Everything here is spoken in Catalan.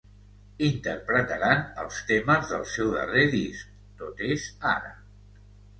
Interpretaran els temes del seu darrer disc, Tot és ara.